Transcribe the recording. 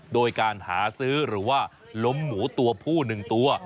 โดยการหาซื้อหรือว่าล้มหมูตัวผู้๑ตัว